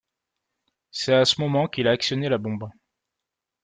C'est à ce moment qu'il a actionné la bombe.